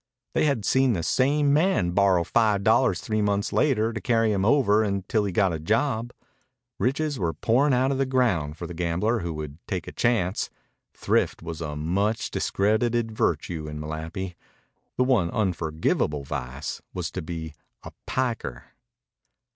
They had seen the same man borrow five dollars three months later to carry him over until he got a job. Riches were pouring out of the ground for the gambler who would take a chance. Thrift was a much discredited virtue in Malapi. The one unforgivable vice was to be "a piker."